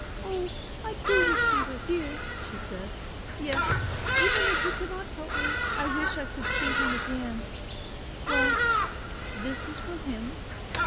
"Oh! I do wish he were here," she said; "yes, even if he could not help me I wish I could see him again; well, this is from him."